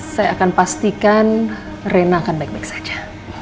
saya akan pastikan rena akan baik baik saja